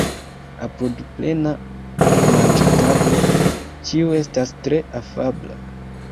Apud plena manĝotablo ĉiu estas tre afabla.